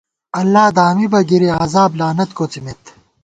اللہ دامِبہ گرِی عذاب لعنت کوڅِمېت